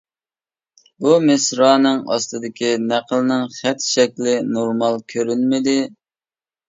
بۇ مىسرانىڭ ئاستىدىكى نەقىلنىڭ خەت شەكلى نورمال كۆرۈنمىدى.